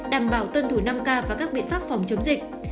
đảm bảo tuân thủ năm k và các biện pháp phòng chống dịch